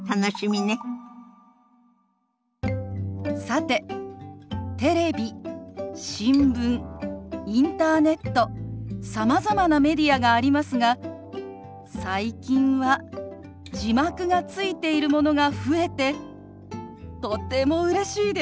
さてテレビ新聞インターネットさまざまなメディアがありますが最近は字幕がついているものが増えてとてもうれしいです。